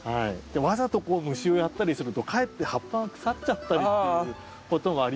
わざと虫をやったりするとかえって葉っぱが腐っちゃったりっていうこともありますので。